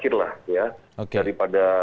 harus lebih mutakhir lah ya